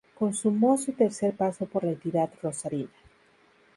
Consumó su tercer paso por la entidad rosarina.